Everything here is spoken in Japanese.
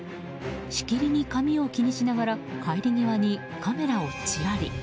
しきりに髪を気にしながら帰り際にカメラをチラリ。